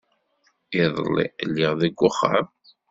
Iḍelli, lliɣ deg uxxam.